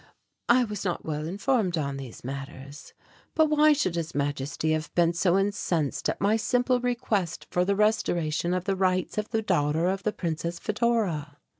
"I was not well informed on these matters. But why should His Majesty have been so incensed at my simple request for the restoration of the rights of the daughter of the Princess Fedora?"